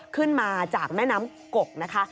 ขึ้นมาจากแม่น้ำกกนะคะ